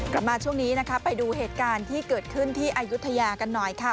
กลับมาช่วงนี้นะคะไปดูเหตุการณ์ที่เกิดขึ้นที่อายุทยากันหน่อยค่ะ